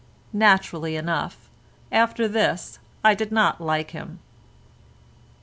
Naturally enough, after this I did not like him.